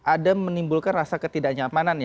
ada menimbulkan rasa ketidaknyamanan